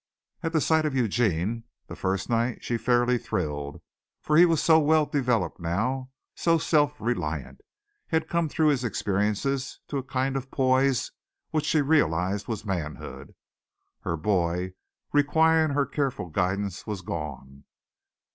At the sight of Eugene the first night she fairly thrilled, for he was so well developed now, so self reliant. He had come through his experiences to a kind of poise which she realized was manhood. Her boy, requiring her careful guidance, was gone.